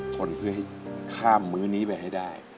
ทนเพื่อให้ข้ามมื้อนี้ไปให้ได้